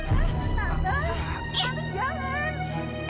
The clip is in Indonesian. mbak marta jangan